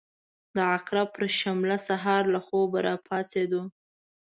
د عقرب پر شلمه سهار له خوبه راپاڅېدو.